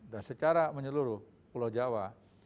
dan secara menyeluruh pulau jawa